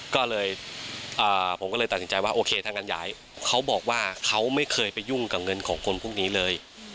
ก็เลยผมก็เลยตัดสินใจว่าโอเคทางการย้ายเขาบอกว่าเขาไม่เคยไปยุ่งกับเงินของคนพวกนี้เลย